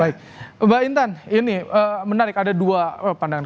baik mbak intan ini menarik ada dua pandangan